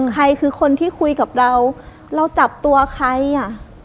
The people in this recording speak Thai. ใครคือคนที่คุยกับเราเราจับตัวใครอ่ะ